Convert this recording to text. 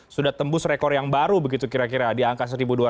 sudah tembus rekor yang baru begitu kira kira di angka satu dua ratus